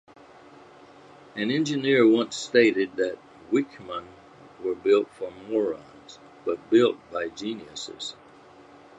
An engineer once stated that Wichmann were built for morons, but built by geniuses.